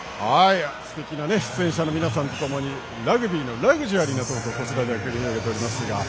すてきな出演者の皆さんとともにラグビーのラグジュアリーなところこちらでは繰り広げています。